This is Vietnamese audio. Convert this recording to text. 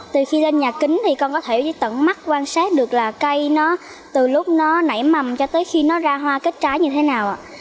từ khi lên nhà kính thì con có thể với tận mắt quan sát được là cây nó từ lúc nó nảy mầm cho tới khi nó ra hoa kết trái như thế nào ạ